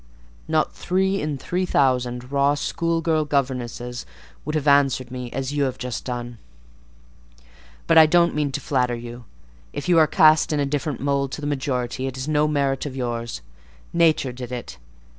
Not three in three thousand raw school girl governesses would have answered me as you have just done. But I don't mean to flatter you: if you are cast in a different mould to the majority, it is no merit of yours: Nature did it.